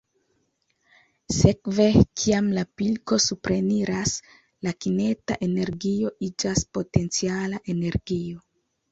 Sekve, kiam la pilko supreniras, la kineta energio iĝas potenciala energio.